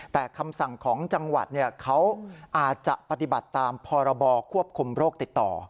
แต่คำสั่งของจังหวัดเขาอาจจะปฏิบัติตามพรบควบคุมโรคติดต่อ